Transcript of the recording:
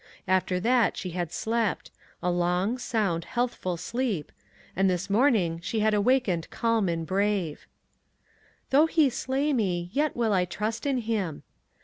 After that she had slept — a long, sound, healthful sleep — and this morning she had awakened calm and brave. 37O ONE COMMONPLACE DAY. "Though he slay me, yet will I trust in him."